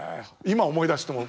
今思い出しても。